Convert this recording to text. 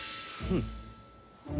うん？